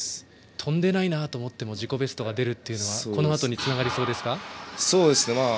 飛んでないなと思っても自己ベストが出るというのは今後につながりそうでしょうか。